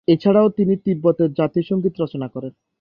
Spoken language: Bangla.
এছাড়াও তিনি তিব্বতের জাতীয় সঙ্গীত রচনা করেন।